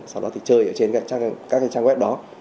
sau đó thì chơi ở trên các cái trang web đó